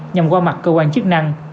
nhằm qua mặt cơ quan chức năng